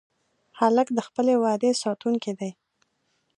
هلک د خپلې وعدې ساتونکی دی.